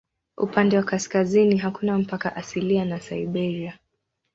Upande wa kaskazini hakuna mpaka asilia na Siberia.